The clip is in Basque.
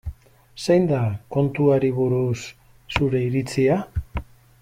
Zein da kontuari buruz zure iritzia?